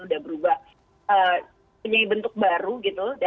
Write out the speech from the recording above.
udah berubah punya bentuk baru gitu